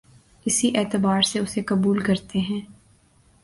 اسی اعتبار سے اسے قبول کرتے ہیں